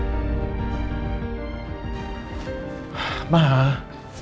kemana sih ya